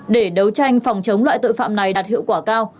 để đấu tranh phòng chống loại tội phạm này đạt hiệu quả cao